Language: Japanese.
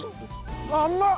甘っ！